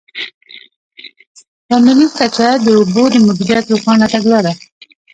په ملي کچه د اوبو د مدیریت روښانه تګلاره.